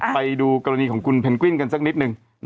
ไปดูกรณีของคุณเพนกวินกันสักนิดนึง